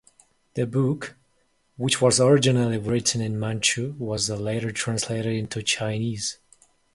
The book, which was originally written in Manchu, was later translated into Chinese.